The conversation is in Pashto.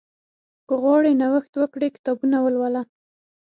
که غواړې نوښت وکړې، کتابونه ولوله.